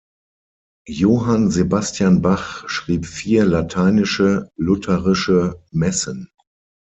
Johann Sebastian Bach schrieb vier lateinische lutherische Messen.